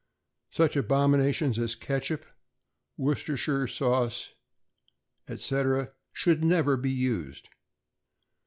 Such abominations as ketchup, Worcestershire sauce, etc., should never be used.